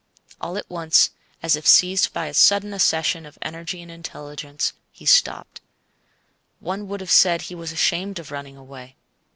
All at once, as if seized by a sudden accession of energy and intelligence, he stopped. One would have said he was ashamed of running away.